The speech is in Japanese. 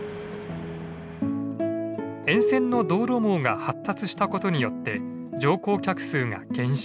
沿線の道路網が発達したことによって乗降客数が減少。